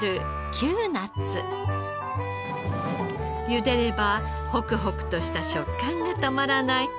ゆでればほくほくとした食感がたまらない